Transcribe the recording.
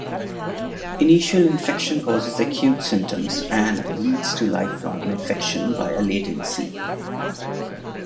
Initial infection causes acute symptoms and leads to lifelong infection via latency.